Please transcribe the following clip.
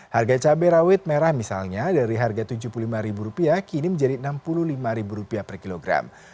harga cabai rawit merah misalnya dari harga rp tujuh puluh lima kini menjadi rp enam puluh lima per kilogram